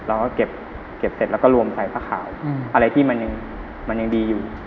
เราก็เก็บเสร็จแล้วก็รวมใส่ผ้าขาวอะไรที่มันยังดีอยู่